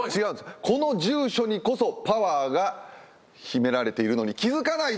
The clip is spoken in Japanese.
この住所にこそパワーが秘められているのに気付かないですか？